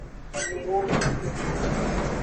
Le woman me.